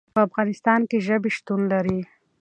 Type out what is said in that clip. په افغانستان کې ژبې شتون لري.